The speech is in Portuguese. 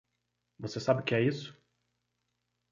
Você sabe o que é isso?